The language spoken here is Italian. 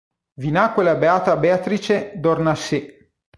Vi nacque la beata Beatrice d'Ornacieux